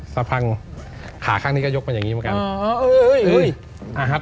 สะพังขาข้างนี้ก็ยกอย่างนี้มากัน